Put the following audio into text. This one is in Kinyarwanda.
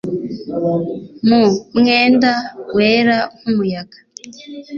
Mu mwenda wera nkumuyaga